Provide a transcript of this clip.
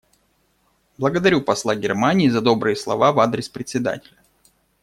Благодарю посла Германии за добрые слова в адрес Председателя.